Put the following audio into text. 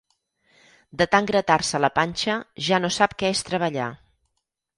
De tant gratar-se la panxa, ja no sap què és treballar.